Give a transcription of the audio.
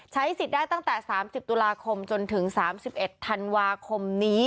ใช้สิทธิ์ได้ตั้งแต่๓๐ตุลาคมจนถึง๓๑ธันวาคมนี้